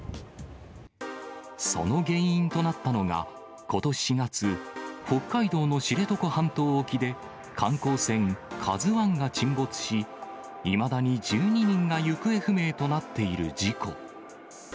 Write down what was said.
その原因となったのが、ことし４月、北海道の知床半島沖で観光船ＫＡＺＵＩが沈没し、いまだに１２人が行方不明となっている事故。